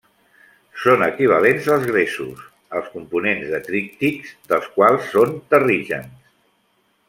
Són equivalents als gresos, els components detrítics dels quals són terrígens.